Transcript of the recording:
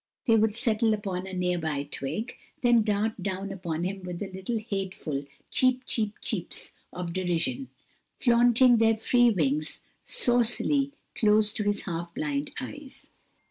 They would settle upon a near by twig, then dart down upon him with little hateful "cheep, cheep, cheeps" of derision, flaunting their free wings saucily close to his half blind eyes.